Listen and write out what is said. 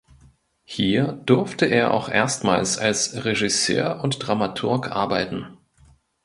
Hier durfte er auch erstmals als Regisseur und Dramaturg arbeiten.